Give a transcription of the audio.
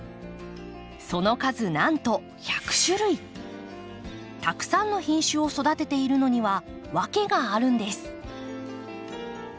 その数なんとたくさんの品種を育てているのには訳があるんです。